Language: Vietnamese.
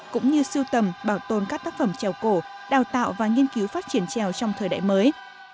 cũng như siêu tầm bảo tồn các tác phẩm trèo cổ đào tạo và nghiên cứu phát triển trèo trong thời đại mới